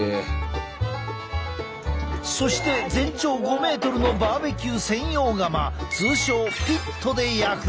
そして全長５ｍのバーベキュー専用窯通称ピットで焼く。